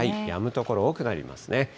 やむ所多くなりますね。